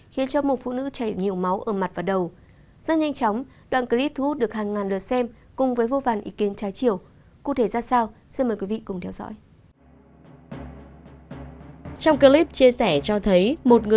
khiến cho một phụ nữ chảy nhiều máu ơm mặt vào đầu